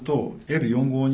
Ｌ４５２